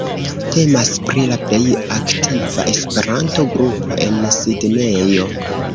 Temas pri la plej aktiva Esperanto-grupo en Sidnejo.